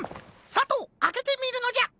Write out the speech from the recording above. さとうあけてみるのじゃ。